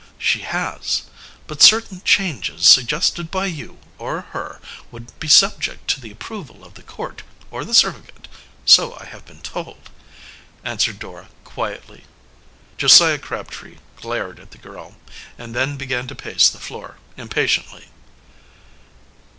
"She has but certain changes suggested by you or her would be subject to the approval of the court or the surrogate, so I have been told," answered Dora quietly. Josiah Crabtree glared at the girl, and then began to pace the floor impatiently.